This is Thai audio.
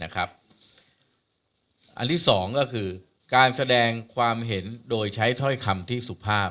สิ่งที่๒การแสดงความเห็นโดยใช้ถ้อยคำที่สุภาพ